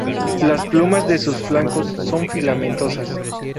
Las plumas de sus flancos son filamentosas.